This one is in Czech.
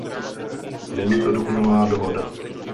Není to dokonalá dohoda.